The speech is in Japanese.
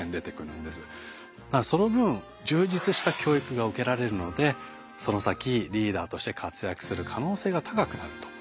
その分充実した教育が受けられるのでその先リーダーとして活躍する可能性が高くなると。